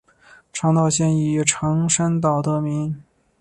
长岛县以长山岛得名。